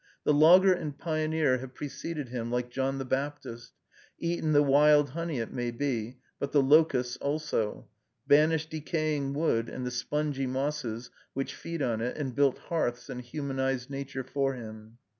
The logger and pioneer have preceded him, like John the Baptist; eaten the wild honey, it may be, but the locusts also; banished decaying wood and the spongy mosses which feed on it, and built hearths and humanized Nature for him.